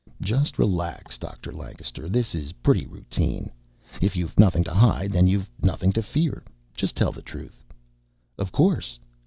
"Just relax, Dr. Lancaster. This is pretty routine. If you've nothing to hide then you've nothing to fear. Just tell the truth." "Of course."